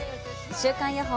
週間予報